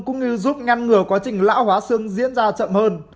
cũng như giúp ngăn ngừa quá trình lão hóa xương diễn ra chậm hơn